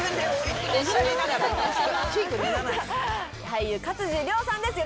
俳優勝地涼さんです